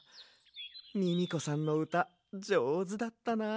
ミミコさんのうたじょうずだったな。